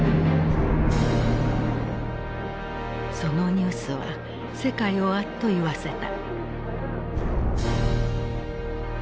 そのニュースは世界をあっと言わせた。